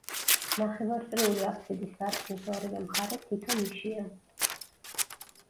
ნახევარწრიული აფსიდის სარკმლის ორივე მხარეს თითო ნიშია.